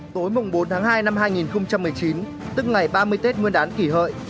tối bốn tháng hai năm hai nghìn một mươi chín tức ngày ba mươi tết nguyên đán kỷ hợi